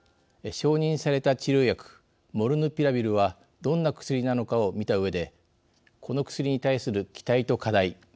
承認された治療薬モルヌピラビルはどんな薬なのかをみたうえでこの薬に対する期待と課題